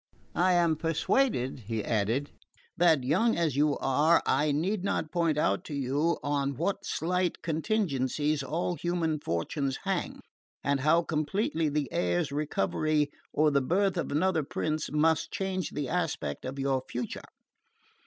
I am persuaded," he added, "that, young as you are, I need not point out to you on what slight contingencies all human fortunes hang, and how completely the heir's recovery or the birth of another prince must change the aspect of your future.